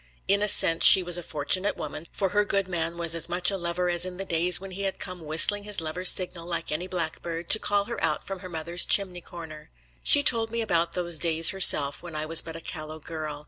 In a sense she was a fortunate woman, for her good man was as much a lover as in the days when he had come whistling his lover's signal, like any blackbird, to call her out from her mother's chimney corner. She told me about those days herself when I was but a callow girl.